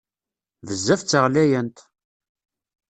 Bezzaf d taɣlayant!